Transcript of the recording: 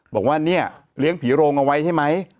บอกว่าเนี่ยเลี้ยงผีโรงเอาไว้ใช่ไหม